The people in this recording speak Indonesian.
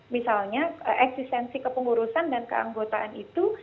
misalnya eksistensi kepengurusan dan keanggotaan itu